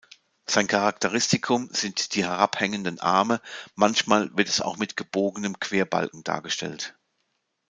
Sein Charakteristikum sind die herabhängenden Arme, manchmal wird es auch mit gebogenem Querbalken dargestellt.